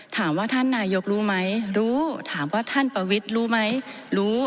ถามว่าท่านนายกรู้ไหมรู้ถามว่าท่านประวิทย์รู้ไหมรู้